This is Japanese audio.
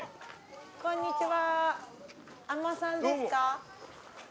こんにちは！